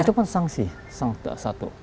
itu pun sanksi satu